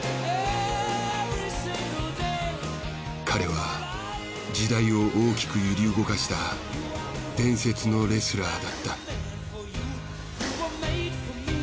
彼は時代を大きく揺り動かした伝説のレスラーだった。